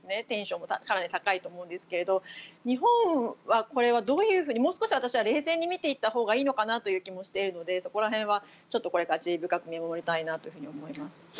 テンションもかなり高いと思うんですが日本はこれはどういうふうにもう少し、私は冷静に見ていったほうがいいという気もしているので、そこら辺は注意深く見守りたいと思います。